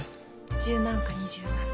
１０万か２０万。